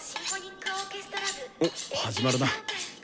おっ始まるな。